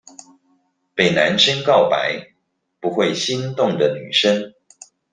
被男生告白不會心動的女生